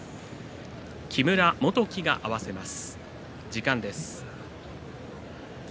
木村元基が合わせます。